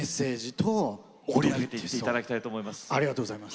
盛り上げていって頂きたいと思います。